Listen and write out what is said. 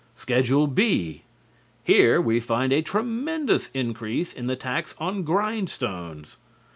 Schedule B Here we find a tremendous increase in the tax on grindstones.